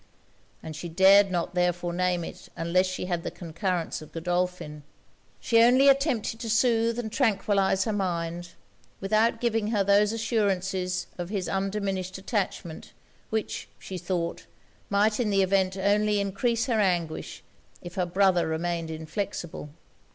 And she dared not therefore name it unless she had the concurrence of Godolphin. She only attempted to soothe and tranquillize her mind, without giving her those assurances of his undiminished attachment, which, she thought, might in the event only encrease her anguish, if her brother remained inflexible.